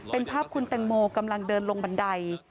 เป็นภาพคุณแตงโมกำลังเดินลงบันได